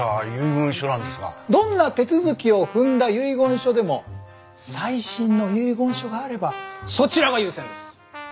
どんな手続きを踏んだ遺言書でも最新の遺言書があればそちらが優先です。